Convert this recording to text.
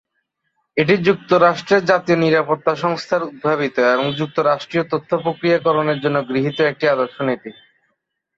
এটি যুক্তরাষ্ট্রের জাতীয় নিরাপত্তা সংস্থার উদ্ভাবিত, এবং যুক্তরাষ্ট্রীয় তথ্য প্রক্রিয়াকরণের জন্য গৃহীত একটি আদর্শ নীতি।